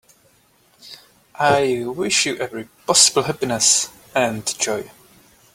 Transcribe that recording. I wish you every possible happiness and joy.